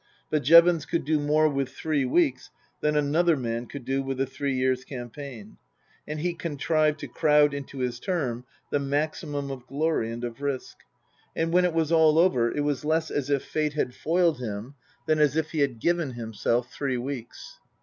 But Jevons could do more with three weeks than another man could do with a three years' campaign, and he contrived to crowd into his term the maximum of glory and of risk. And when it was all over it was less as if Fate had foiled him than as if he had " given " himself three weeks.